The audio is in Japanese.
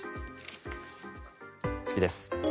次です。